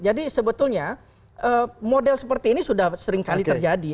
jadi sebetulnya model seperti ini sudah sering kali terjadi